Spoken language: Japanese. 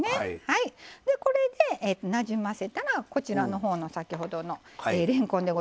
でこれでなじませたらこちらの方の先ほどのれんこんでございます。